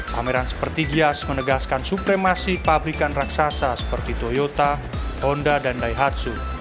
pameran seperti gias menegaskan supremasi pabrikan raksasa seperti toyota honda dan daihatsu